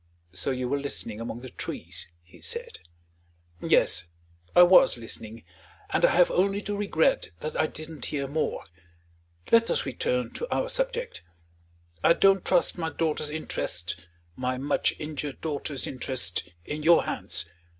"So you were listening among the trees!" he said. "Yes; I was listening; and I have only to regret that I didn't hear more. Let us return to our subject. I don't trust my daughter's interests my much injured daughter's interests in your hands.